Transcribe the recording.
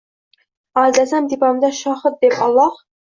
Aldasam tepamda shohid deb Alloh.